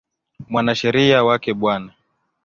Mwanasheria wake Bw.